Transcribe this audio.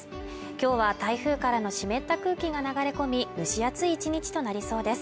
今日は台風からの湿った空気が流れ込み蒸し暑い１日となりそうです